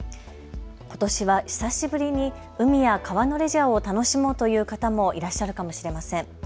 ことしは久しぶりに海や川のレジャーを楽しもうという方もいらっしゃるかもしれません。